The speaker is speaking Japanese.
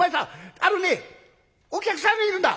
あのねお客さんがいるんだ」。